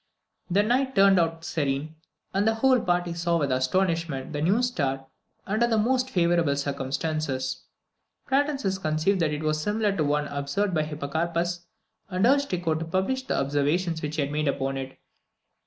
The night turned out serene, and the whole party saw with astonishment the new star under the most favourable circumstances. Pratensis conceived that it was similar to the one observed by Hipparchus, and urged Tycho to publish the observations which he had made upon it.